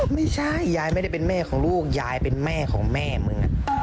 ไม่ใช่ยายไม่ได้เป็นแม่ของลูกยายเป็นแม่ของแม่มึง